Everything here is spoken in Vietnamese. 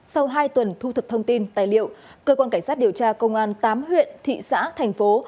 sau hai tuần thu thập thông tin tài liệu cơ quan cảnh sát điều tra công an tám huyện thị xã thành phố